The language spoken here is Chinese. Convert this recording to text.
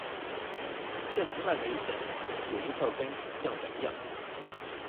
却从来没有见过有一块根像人样